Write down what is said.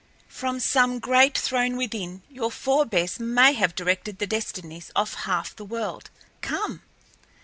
From some great throne within, your forebears may have directed the destinies of half the world. Come!"